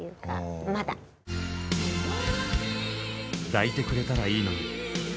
「抱いてくれたらいいのに」